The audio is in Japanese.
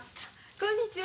こんにちは。